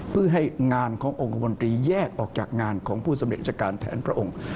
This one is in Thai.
เพื่อให้งานขององค์คมนตรีแยกออกจากงานของผู้สำเร็จราชการแทนพระองค์